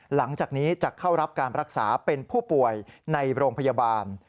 หลังจากนี้จะเข้ารับการรักษาเป็นผู้ป่วยในโรงพยาบาล